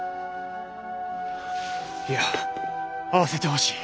いや会わせてほしい！